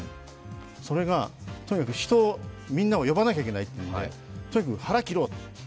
それがとにかくみんなを呼ばなきゃいけないということでとにかく腹を切ろうと。